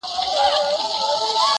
لا به تر څو د کربلا له تورو-